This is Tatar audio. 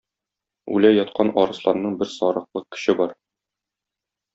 Үлә яткан арысланның бер сарыклык көче бар.